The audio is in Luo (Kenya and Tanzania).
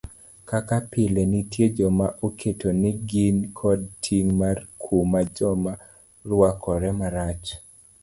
Kaka pile nitie joma oketo ni gin koda ting' mar kumo joma rwakore marach.